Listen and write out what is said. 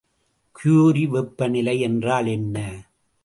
Curie வெப்பநிலை என்றால் என்ன?